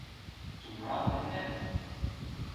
To wrap the head.